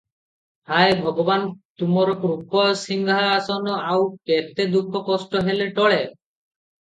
ହାୟ! ଭଗବାନ୍ ତୁମର କୃପାସିଂହାସନ ଆଉ କେତେ ଦୁଃଖ କଷ୍ଟ ହେଲେ ଟଳେ?